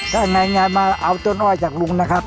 ถ้าอย่างไรมาเอาต้นอ้อยจากลุงนะครับ